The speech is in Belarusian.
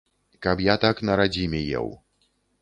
Каб я так на радзіме еў.